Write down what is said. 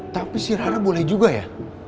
tapi si rara boleh juga ya